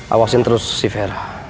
awasin terus si vera